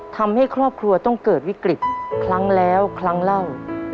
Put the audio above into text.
ทำให้ครอบครัวต้องเกิดวิกฤตครั้งแล้วครั้งเล่า